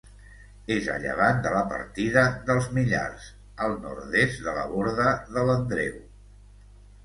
És a llevant de la partida dels Millars, al nord-est de la Borda de l'Andreu.